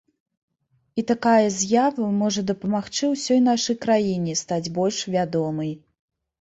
І такая з'ява можа дапамагчы ўсёй нашай краіне стаць больш вядомай.